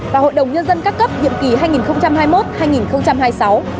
và hội đồng nhân dân các cấp nhiệm kỳ hai nghìn hai mươi một hai nghìn hai mươi sáu